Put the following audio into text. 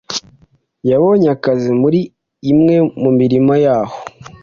yabonye akazi muri imwe mu mirima yaho.